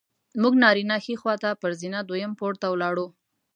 موږ نارینه ښي خوا ته پر زینه دویم پوړ ته ولاړو.